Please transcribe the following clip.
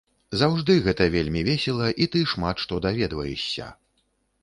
Заўжды гэта вельмі весела, і ты шмат што даведваешся.